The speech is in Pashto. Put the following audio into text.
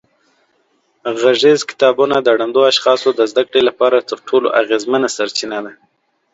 غږیز کتابونه د ړندو اشخاصو د زده کړې لپاره تر ټولو اغېزمنه سرچینه ده.